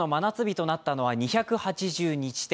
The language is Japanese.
３０度以上の真夏日となったのは２８２地点。